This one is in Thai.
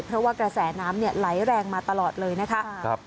เพราะว่ากระแสน้ำไหลแรงมาตลอดเลยนะคะ